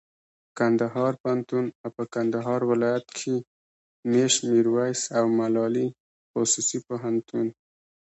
کندهار پوهنتون او په کندهار ولایت کښي مېشت میرویس او ملالي خصوصي پوهنتون